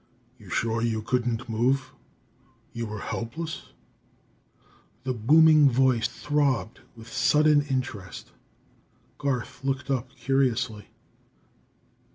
"You're sure you couldn't move? You were helpless?" The booming voice throbbed with sudden interest. Garth looked up curiously.